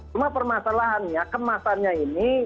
cuma permasalahannya kemasannya ini